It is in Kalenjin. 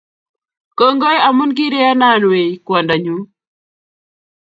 Kongoi amun kiriyana wei kwandanyunn